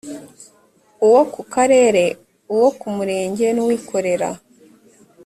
uwo ku karere uwo ku murenge n uwikorera